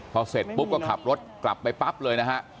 พอเสร็จปุ๊บก็ขับรถกลับไปปั๊บเลยนะฮะ